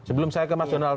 sebelum saya ke mas jonal